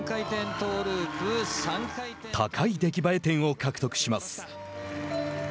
高い出来栄え点を獲得します。